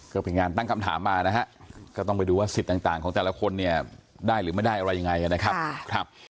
ก็เป็นงานตั้งคำถามมานะฮะก็ต้องไปดูว่าสิทธิ์ต่างของแต่ละคนเนี่ยได้หรือไม่ได้อะไรยังไงนะครับ